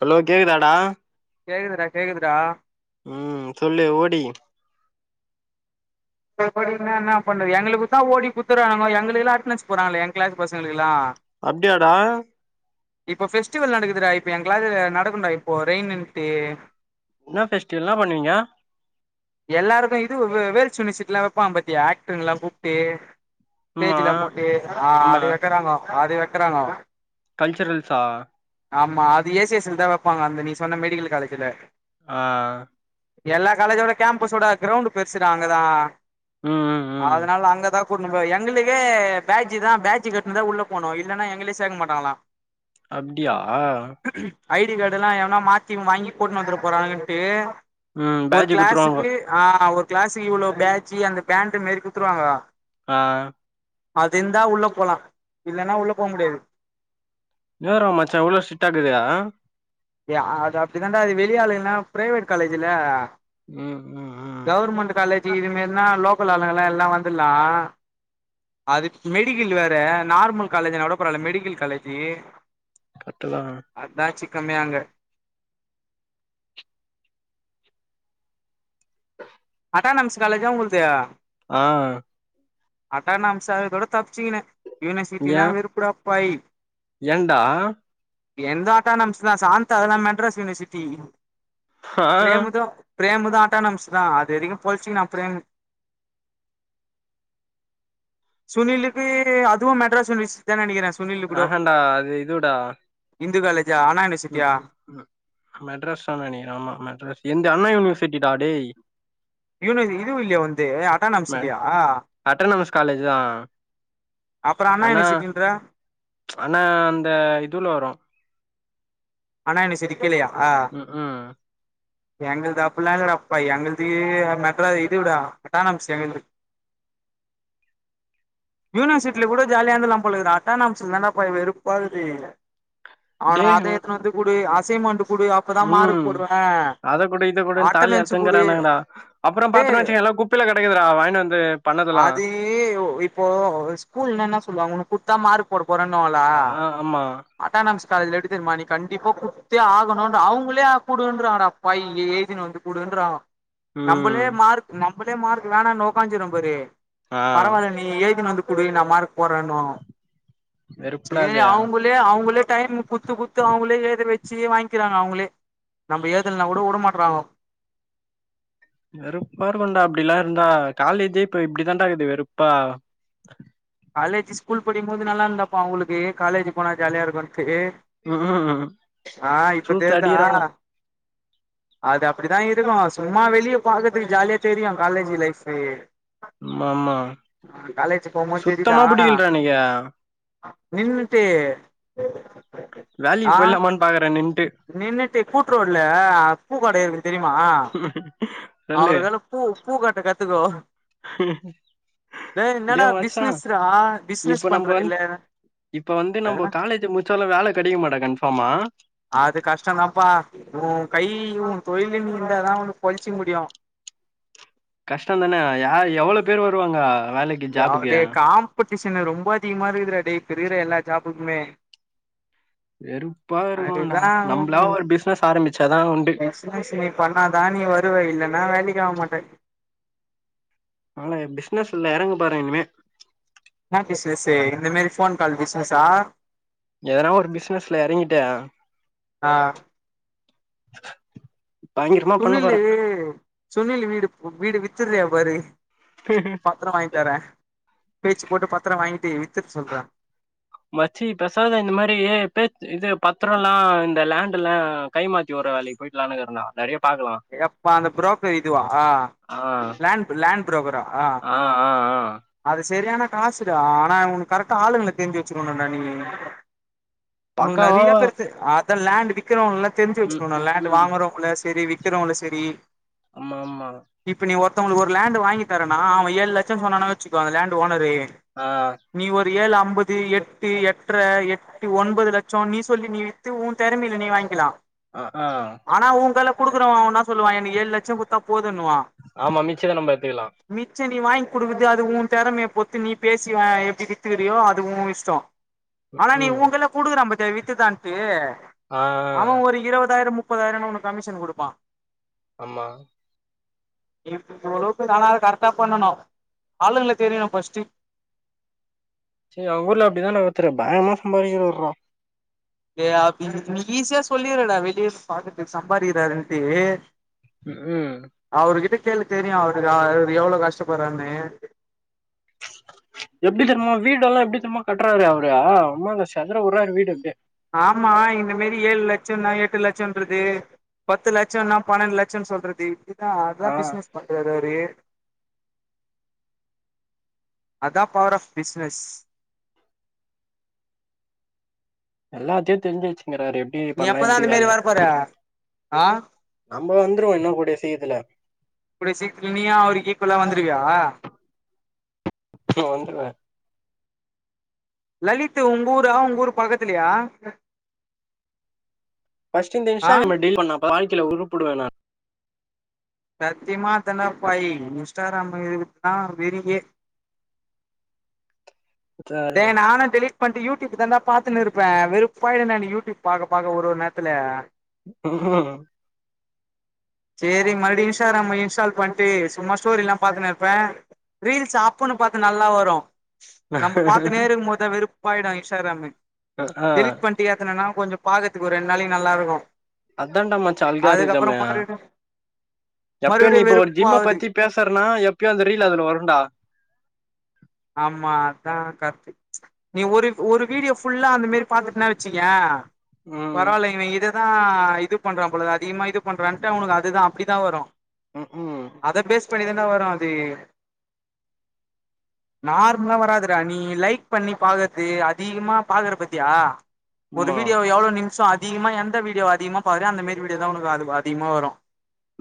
Hello கேக்குதாடா கேக்குதுடா கேக்குதுடா ம் சொல்லு ஓடி போய் படினா இன்னா பண்றது எங்களுக்குத்த ஓடி குத்துறானுங்கோ எங்களுக்குல்லா அட்டன்ஸ் போற்றாங்களே என் க்ளாஸ் பசங்களுக்குல்லா அப்படியாடா இப்போ ஃபெஸ்டிவல் நடக்குதுடா இப்ப என் கிளாஸ்ல நடக்கும்டா இப்போ ரெயின்ட்டு என்னா பெஸ்டிவல் என்னா பண்ணுவீங்க எல்லாருக்கு இது வேல்ஸ் யூனிவர்சிட்டில்லா வப்பாங் பத்தியா ஆக்டர்ல்லா கூப்ட்டு ஆமா ஸ்டேஜ்ல போட்டி ஆஹ் ஆமா அது வைக்கறாங்கோ அது வைக்கறாங்கோ கல்ச்சுரல்ஸா ஆமா அது ஏசிஎஸ்ஸில தா வப்பாங்க அந்த நீ சொன்ன மெடிக்கல் காலேஜ்ல ஆ எல்லா காலேஜோட கேம்பஸோட கிரௌண்ட் பெருசுடா அங்கதா ம் ம் அதனால அங்க தா கூட்டுனுப்போய் எங்களுக்கே பேட்ஜு தா பேட்ஜ் கட்டின்தா உள்ள போணு இல்லனா எங்களயே சேக்க மாட்டாங்களா [inaudible] அப்டியா ஐடி கார்டுலா எவனா மாத்தி வாங்கி போட்டுன் வந்துற போறாங்கன்ட்டு ம் ஒரு பேஜ்ஜு குத்துருவாங்க கிளாஸுக்கு ஆ ஒரு கிளாஸுக்கு இவ்ளோ பேஜ்ஜூ அந்த பேண்ட் மாரி குத்துருவாங்க ஆ அது இருந்தா உள்ள போலா இல்லைனா உள்ள போ முடியாது நேரோ மச்சான் இவ்ளோ ஸ்ட்ரிட்டாக்குது ஏ அது அப்டித்தாண்டா அது வெளி ஆளுங்கனா பிரைவேட் காலேஜ்ல ம் ம் ம் கவர்மெண்ட் காலேஜ் இது மாரினா லோக்கல் ஆளுங்க எல்லா வந்துலா அது மெடிக்கல் வேற நார்மல் காலேஜ்னா கூட பரவால்ல மெடிக்கல் காலேஜு கர்ட்டுதா அதா சிக்கமே அங்க அட்டானமஸ் காலேஜா உங்கள்து ஆ அட்டானம்ஸா இருக்குறதோட தப்பச்சிக்கின யூனிவர்சிட்டில்லா வெறுப்புடாப்பா ஏய் ஏண்டா என்து அட்டானம்ஸ் தா சாந்தா அதல்லா மெட்ராஸ் யூனிவர்சிட்டி ஆ பிரேமுது பிரேமுது அட்டானாமஸ்தா அதுவரைக்கு பொழிச்சிகினா பிரேம் சுனிலுக்கு அதுவு மெட்ராஸ் யுனிவர்சிட்டி தான் நெனைக்கிறே சுனிலு கூடோ ஆஹான்டா அது இதுடா இந்து காலேஜா அண்ணாயூனி ம் ம் ம் மெட்ராஸ் தா நெனைக்கிறே ஆமா மெட்ராஸ் எந்த் அண்ணா யூனிவர்சிட்டிடா டேய் யூன்வஸி இதுவு இல்லையா உன்து அட்டானாம்ஸ் மெட் இல்லயா அட்டனமஸ் காலேஜ் தா அப்பற அண்ணா யூனிவர்சிட்டின்ற அண்ணா அந்த இதுவுல வரு அண்ணா யூனிவர்சிட்டிக் கீழயா ம் ம் எங்கள்து அப்பில்லா இல்லடா எங்கள்து மெட்ரா இதுடா அட்டானம்ஸ் எங்கள்து [inaudible] யூனிவர்சிட்டில கூட ஜாலியா இருந்துலா போல இருக்குதுடா அட்டானம்ஸ்லதா பா வெறுப்பாக்குது டே அவனுங்க அத எடுத்துனு வந்து குடு அசைன்மெண்ட் குடு அப்பதா மார்க் ம் போடுவே அத குடு இத குடுன் தாலி அட்டனன்ஸ் குடு அருத்துன்கிறானுங்கடா அப்ற பாத்துனா டேய் வச்சிங்கல்லா குப்பைல கெடக்குடா வாயின்னு வந்து பண்ணதலா நீ இப்போ ஸ்கூல்னா என்னா சொல்லுவாங்க குடுத்தா மார்க் போட போரனுங்வாலா ஆ ஆமா அட்டானாம்ஸ் காலேஜ்ல எப்டி தெரியுமா நீ கண்டிப்பா குடுத்தே ஆகணு அவங்களே குடுன்றாடா பையி எழுதின்னு வந்து குடுன்றாங்க நம்மளே ம் மார்க் நம்மளே மார்க் வேணான்னு ஒக்காஞ்சிறோ பாரு ஆ பரவால்லன்னு நீ எழுதின் வந்து குடு நா மார்க் போடுறேன்னுவாங்கோ வெறுப்புடா சேரி அது அவங்குள் ல்லே அவுங்களே டைம்மு குத்து குத்து த்து அவுங்களே எழுதவச்சு வாங்கிக்கிறாங்கோ அவுங்களே நம்ம எழுதலனா கூட உட மாட்றாங்கோ வெறுப்பா இருக்குண்டா அப்டிலாம் இருந்தா காலேஜே இப்ப இப்டித்தான்டா இக்குது வெறுப்பா காலேஜ் ஸ்கூல் படிக்கும்போது நல்லாருந்தாப்பா அவங்களுக்கு காலேஜ் போனா ஜாலியா இருக்குன்ட்டு ம் ஆ இப்ப சூத்து தெர்தா அடிக்கிறாங்க அது அப்டிதா இருக்கும் சும்மா வெளிய பாக்குறதுக்கு ஜாலியா தெரியு காலேஜு லைஃப் ம்மா ஆமா சுத் புரிதா நின்னுட்டு வேலைக்கு ஆ போய்லாமான்னு பாக்குறே நின்ட்டு நின்னுட்டு கூட்ரோடல பூக்கட இருக்கு தெரியுமா சொல்லு அவருக்கல்ல பூ பூ கட்ட கத்துக்கோ ஹ ஏ என்னடா பிசினஸ் ரா பிஸ்னஸ் இப்ப நம்ம வந்து பண்றதில்ல இப்ப வந்து நம்ம காலேஜ முடிச்சாலும் வேல கிடைக்குமாடா கன்ஃபாமா அது கஷ்டந்தாப்பா ஊ கை ஊ தொழிலினு இருந்தாதா ஒன்ன பொழ்ச்சுக்க முடியு கஷ்டந்தானே ய எவ்வள பேர்‌ வருவாங்க வேலைக் ய டே காம்படிஷன் ரொம்ப அதிகமா இருக்குதுறா டே இப்ப இருக்கிற எல்லா ஜாப்புக்குமே வெறுப்பா இருக்குன்டா நம்மளா அதுதா ஒரு பிசினஸ் ஆரம்பிச்சாதா உண்டு பாஸ் நீ பண்ணாதா நீ வருவ இல்லன்னா வேலைக்கு ஆக மாட்ட நானு பிசினஸ்ல எறங்க பாறே இனிமே என்னா பிசினஸ்சு இந்த மாரி ஃபோன் கால் பிசினஸா எதனா ஒரு பிசினஸ்ல எறங்கிட்டு ஆ பயங்கரமா பண்ண சுனிலு போறே சுனில் வீடு வீடு வித்துறியா பாரு [unintelligible] பத்தரோ வாங்கி தரே பேச்சு போட்டு பத்தரோ வாங்கிட்டு வித்துட்டு சொல்றே மச்சி பெசாத இந்த மாரி பேச் இது பத்தரோலா இந்த லேண்ட்லா கைமாத்தி உடுற வேலைக்கு போயிட்லான்னு இருக்குற நா நறையப் எப்பா அந்த புரோக்கர் இதுவா ஆ லேண்ட் லேண்ட் புரோக்கரா ஆ ஆ ஆ அது செரியான காசுடா ஆனா உனக் கரெக்டா ஆளுங்கள தெரிஞ்சு வச்சுக்கணுண்டா நீயி உனக்கு பக்காவா நறைய பேரு தெரு அதா லேண்ட் விக் விக்கிறாங்கல்லா தெரிஞ்சு ம் வச்சுக்கணு ம் லேண்ட் ம். வாங்குறவங்களு சரி விக்கிறவங்களு சரி ஆமா ஆமா இப்ப நீ ஒருத்தவங்களுக்கு ஒரு லேண்டு வாங்கி தரனா அவன் ஏழு லட்சோ சொன்னான வச்சுக்கோ அந்த லேண்டு ஓனரு ஆ நீ ஒரு ஏழு அம்பது எட்டு எட்ற எ ஒன்பது லட்சோ நீ சொல்லி நீ வித்து ஊ தெறமையில நீ வாங்கிக்கலா ஆ ஆ ஆனா ஊ கையில குடுக்குறவ அவனா சொல்லுவா எனக்கு ஏழு லட்சோ குடுத்தா போதன்னுவா ஆமா மிச்சத நம்ம எத்துக்கலா மிச்ச நீ வாங்கி குடுக்குறது அது ஊ தெறமைய பொத்து நீ பேசி எப்டி வித்துக்கறியோ அது ஓ இஷ்டோ ஆனா நீ ம் உ கைல குடுக்கிறா பாத்தியா வித்துதாண்டு ஆ அவன் ஒரு இருவதாயரோ முப் ப்பதாயரோன்னு ஒனக் கமிஷன் குடுப்பா ஆமா இ இவ்ளோ பேரு ஆனா அது கரெட்டா பண்ணணு ஆளுங்கள தெரியணு ஃபர்ஸ்ட்டு அவங்கஊர்ல அப்டித்தான ஒருத்தரு பயங்கரமா சம்பாதிக்கிறவர்ரா ஏ அப்டி நி நீ ஈஸியா சொல்லிரடா வெளியே பாத்துட்டு சம்பாதிக்கிறாருன்ட்டு ம் அவரு கிட்ட கேளு தெரியு அவருக்கு அவுரு எவ்ளோ கஷ்டப்பறான்னு எப்டி தெரிமா வீடெல்லா எப்டி தெரிமா கட்டுறாரு அவரு அம்மாங்க செதற விடுறாரு வீடு அப்டியே ஆமா இந்த மேரி ஏழு லட்சம்ன எட்டு லட்சம்ன்றது பத்து லட்சொன்னா பன்னெட்டு லட்சொன்னுசொல்றது இப்டிதா அதா ஆ பிஸ்னஸ் பண்றாரு அவுரு அதா பவர் ஆஃப் பிஸ்னஸ் எல்லாத்தியு தெரிஞ்சி வெச்சின்கிறாரு எப் நீ எப்பதா அந்த மேரி வர போற அ நம்ம வந்துருவோ இன்னு கூடிய சீக்கிரத்துல கூடிய சீக்கரத்துல நீயு அவருக் ஈக்குவலா வந்துருவியா வந்துருவே லலித்து உங்க ஊரா உங்க ஊரு பக்கத்திலயா பஸ்ட்டு இந்த ஆ இன்ஸ்டாகிராம டெலிட் பண்ணாதா வாழ்கைல உருப்புடுவ நான் சத்தியமா அதாண்டப்பாயி இன்ஸ்டாகிராம் இருக்குத்தா வெரியே டே நானு டெலிட் பண்டு யூடியூப் தா தான்டா பாத்துன்னு இருப்ப வெறுப்பாயிடுண் டா எனக்கு யூடியூப் பாக்க பாக்க ஒரு ஒரு நேர்த்துல உக்கும் சேரி மறுபடி இன்ஸ்டாகிராம இன்ஸ்டால் பண்ட்டு சும்மா ஸ்டோரில்லா பாத்துன்னு இருப்பே ரீல்ஸ் அப்பன்னு பாத்து நல்லா வரு நம்ம பாத்துனே இருக்கும் போத்தா வெறுப்பாயிடு இன்ஸ்டாகிராமு ஆ டெலிட் பண்ட் ட்டு ஏத்தனானா கொஞ்சம் பாக்கர்துக்கு ஒரு ரெண்டு நாளைைக்கு நல்லா இருக்கு அதான்ட மாச்சா அதுக்கப்புறோ அல்காரிதமே மறுபடி எப்பயோ நீ மறுபடியு இப்ப ஒரு ஜிம்ம வெறுப்பாவுது பத்தி பேசறன்னா எப்பயோ அந்த ரீல் அதுல வருண்டா ஆமா அத்தா கர்ட்டு நீ ஒரு ஒரு வீடியோ ஃபுல்லா அந்த மேரி பாத்துட்டுன வெச்சுக்கயே ம் பரவால்ல இவ இத தா இது பண்றா பொலது அதிகமா இது பண்றான்ட்டு அவனுக்கு அதுதா அப்டிதா வரு ம் க்கும் அத பேஸ் பண்ணிதான்டா வரு அது நார்மலா வராதுட நீ லைக் பண்ணி பாக்கற்து அதிகமா பாக்கற பத்தியா ஒரு ஆமா வீடியோ எவ்ளோ நிம்ஷோ அதிகமா எந்த வீடியோ அதிகமா பாக்கிறியோ அந்த மேரி வீடியோ தா உனக்கு அதிகமா வரு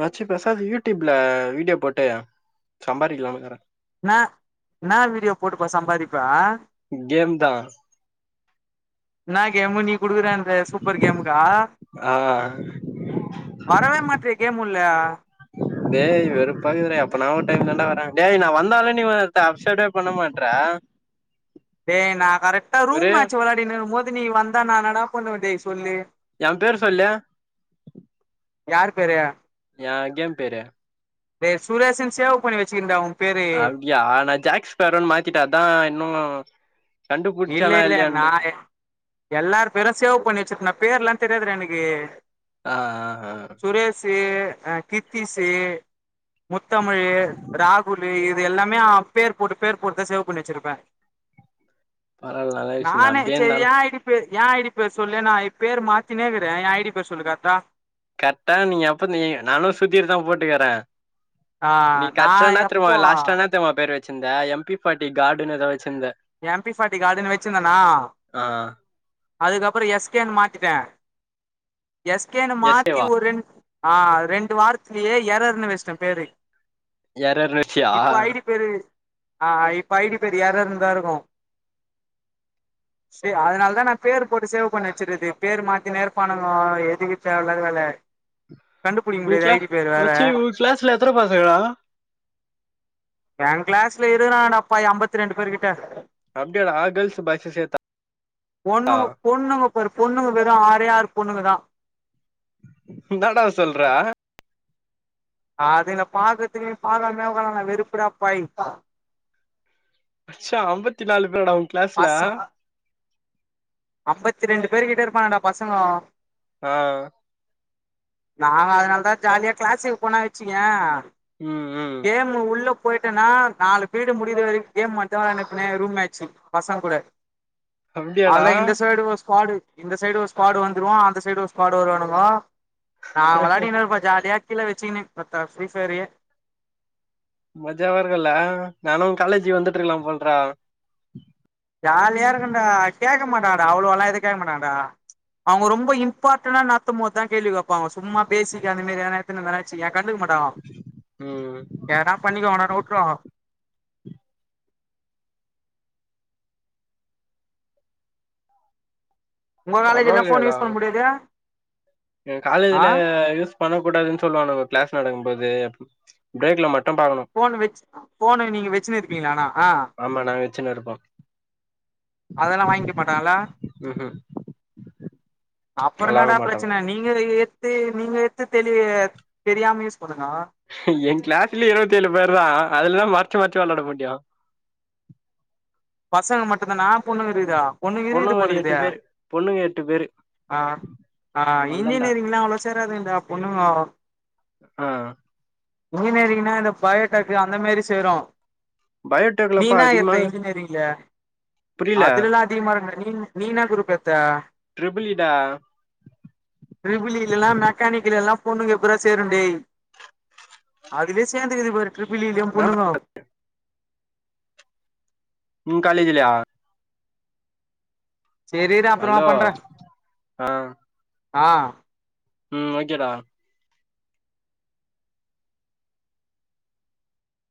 மச்சி பேசாது யூடியூப்ல வீடியோ போட்டு சம்பாரிக்கலானுகிறே னா ன்னா வீடியோ போட்டுப்பா சம்பாரிப்ப கேம் தா ன்னா கேமு நீ குடுக்கிறே அந்த சூப்பர் கேமுக்கா ஆ வரவே மாட்ரியே கேம்முள்ள டேய் வெறுப்பாகுது டா எப்ப நா ஒரு டைம் தண்டா வறே டேய் நான் வந்தாலே நீ அப்சைடு பண்ண மாட்ற டேய் நா கரெக்ட்டா ரூம் ஒரு மேட்ச்சு வெளாடினரும்போது நீ வந்தா நா ன்னாடா பண்ணுவே டேய் சொல்லு யாம் பேரு சொல்லு யாருபேரு யா கேம் பேரு டே சுரேஷுன் சேவ் பண்ணி வெச்சுகிர்ன்டா உ அப்டியா நா ஜேக் ஸ்பேரோன் மாத்திட்டே அத்தா இன்னு இல்ல கண்டுபுடிச்சானா இல்ல நா இல்லையான்ட்டு எ எல்லார் பேரு சேவ் பண்ணி வெச்சிர்ப்ன்டா பேர்லா என் தெரியாதுடா எனக்கு. அ அ அ. சுரேஷு, அ கிர்த்திஷு, முத்தமிழு ராகுலு இவ் இது எல்லாமே அ பேர் போட்டு பேர் போட்டுதா சேவ் பண்ணி வெச்சிருப்பே. பரவால் நல் நானே இ செரி ஏ ஐ டி பே ஏ ஐ டி பேரு சொல்லு நா இ பேரு மாத்தினேக்கறே ஏ ஐ டி பேர் சொல்லு கர்ட்டா. கர்ட்டா நீ எப்ப நீயி நானு சுத்திட்டு தா போட்டுக்கறே. ஆ நீ நா கஷ்ட்டா என்னா தெர்மா எப்போ லாஸ்ட்டா என்னா தெர்மா பேரு வெச்சிந்த எம் பி ஃபாட்டி காடுனு எதோ வெச்சிந்த. எம் பி ஃபாட்டி காடுனு வெச்சிந்தானா? ஆ அதுக்கப்புறோ எஸ் கேன் மாத்திட்டே எஸ் கேனு எஸ் கே மாத்தி வா ஒர் ரெண் ஆ அது ரெண்டு வார்த்துலியே எரர்னு வெச்ட்டே பேரு. எரரர்னு வெச்சியா? ப்பெழுதி ஆ இப்ப ஐ டி பேரு எரர்னுதாருக்கு. சே அதுனால்தா நா பேர் போட்டு சேவ் பண்ணி வெச்சிர்றது பேரு மாத்தினே இருப்பானுங்கோ எதுக்கு தேவ இல்லாத வேல. ம். கண்டுபுடிக்க முடியாது ஐ டி பேர் வேற. கிளாஸ்ல எத்தன பசங்கடா? ஏ கிளாஸ்ல இருகரானுங்கடாப்பா எ அம்பத்திரெண்டு பேரு கிட்ட. அப்டியாடா கேள்ஸு பாய்ஸு சேத்தா? பொண்ணுங்கபரு பொண்ணுங்க வெறு ஆறே ஆறு பொண்ணுங்கதா. இன்னாடா சொல்ற. அதுங்ள பாக்கத்துக்கு நீ பாக்காமலே ஒக்காரலான்டா வெறுப்புடாப்பா ஏய் மச்சா அம்பத்திநாலு பேராடா உ கிளாஸ்ல? அம்பத்தி ரண்டு பேரு கிட்ட இருப்பானுங்கடா பசங்கோ. அ. நாங்க அதுனால்தா ஜாலியா கிளாஸுக்கு போனா வெச்சுக்கியே ம் ம். கேமு உள்ள போயிட்டனா நாலு பீரிடு முடிற வரிக் கேம் மட்டுதா வெளாண்னுறுப்பனே ரூம் மேச்சு. பசங்கூட அப்டியாடா அவ்ள்தா இந்த சைடு ஒர் ஸ்க்வாடு இந்த சைடு ஒரு ஸ்க்வாடு வந்துருவா அந்த சைடு ஒரு ஸ்க்வாடு வருவானுங்கோ. நா வெளாடிகினு இருப்பே ஜாலியா கீழ வெச்சிகுனு தத்தா ஃப்ரீஃபையரியே மஜாவா இருக்குல்ல நானு உ காலேஜ்க் வந்துட்ருக்லா போல்ரா. ஜாலியா இருக்குன்டா கேக்க மாட்டாங்டா அவ்ளோவாலா எது கேட்க மாட்டாங்டா. அவுங்க ரொம்போ இம்பாட்டனா நட்த்தும்போத்தா கேள்வி கேப்பாங்கோ சும்மா பேசிக்கா நின்னு எதனா நடத்துனிந்தாங்கனா வெச்சிக்யே கண்டுக்க மாட் டாங்கோ ம் எதனா பண்ணிக்கோங்கடானு உட்ருவாங்கோ. உங்க காலேஜில்லா ஃபோன் யூஸ் பண்ண முடியாது? எங் ஆ காலேஜ்ல யூஸ் பண்ணக்கூடாதுன் சொல்லுவானுங்கோ கிளாஸ் நடக்கும் போது ப்ம் பிரேக்ல மட்டும் பாக்குணு. ஃபோன் வெச்சு ஃபோனு நீங்க வெச்சுனு இருப்பீங்களா ஆனா அ ஆமா நாங்க வெச்சுன்னு இருப்போ. அதல்லா வாய்ங்க்க மாட்டாங்கள்ல? ம் ம் அப்பற இன்னடா அலோவ் மாட்டாங்க பிரச்சன நீங்களு [unintelligible] நீங்க எட்த்து தெளி தெரியாம யூஸ் பண்ணுங்கோ எய க்ளாஸ்லே இருபத்தி ஏழு பேர் தா அதுலதா மறச்சு மறச்சு வெள்ளாட முடியு பசங்க மட்டுந்தானா பொண்ணுங்க இருக்குதா பொண்ணுங்க இருக்குது ஒரு போலக்குதே எட்டு ஆ பேரு பொண்ணுங்க எட்டு பேரு ஆ ஆ அவ்ளதான்டா இன்ஜினியரிங்லா அவ்ளவா சேராதுங்கடா பொண்ணுங்கோ ஆ இன்ஜினியரிங்னா இந்த பயோடெக் அந்த மேரி சேரு நீ பயோடெக்லப்பா இன்னா அதிகமா எட்த்த இன்ஜினியரிங்ல புரியல அதுலல்லா அதிகமா இருக்குமே நீ நீ இன்னா குருப் எட்த்த ட்ரிபிலீடா டரிபிலீலலா மெக்கானிக்குலலா பொண்ணுங்க எப்புடர்ரா சேரும்ண்டே அதுலயு சேந்துக்குது பாரு டிரிப்பிலீலயு என்னா பொண்ணுங்கோ உ காலேஜிலயா சரி இரு அப்பறமா ஹலோ பண்ற ஆ ஆ ம் ஓக்கே டா